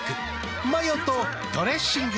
マヨとドレッシングで。